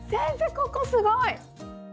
ここすごい。